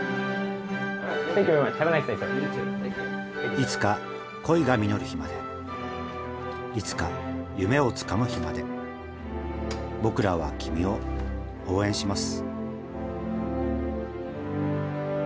いつか恋が実る日までいつか夢をつかむ日まで僕らは君を応援します。